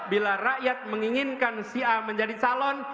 bila rakyat menginginkan sia menjadi calon